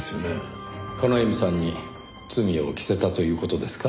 叶笑さんに罪を着せたという事ですか？